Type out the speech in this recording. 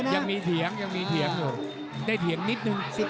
ยังมีเถียงได้เถียงนิดนึง